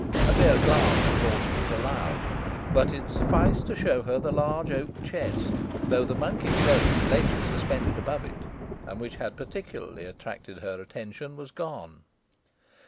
A mere glance was all she was allowed, but it sufficed to show her the large oak chest, though the monkish robe lately suspended above it, and which had particularly attracted her attention, was gone.